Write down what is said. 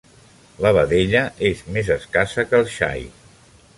La vedella és més escassa que el xai.